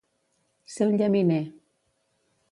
Ser un llaminer.